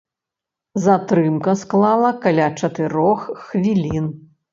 Затрымка склала каля чатырох хвілін.